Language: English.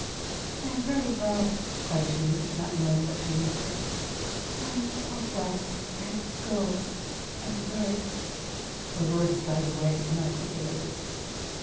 "I am very well, " cried she, not knowing what she answered, "I am quite well, pray go, I am very " her words died away inarticulated.